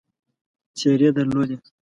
څېرې درلودې.